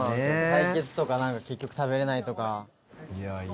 対決とか結局食べれないとか。